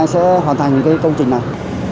sẽ hoàn thành cái công trình này